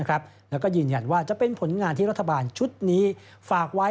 แล้วก็ยืนยันว่าจะเป็นผลงานที่รัฐบาลชุดนี้ฝากไว้